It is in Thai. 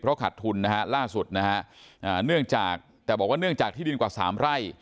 ขาดทุนนะฮะล่าสุดนะฮะเนื่องจากแต่บอกว่าเนื่องจากที่ดินกว่า๓ไร่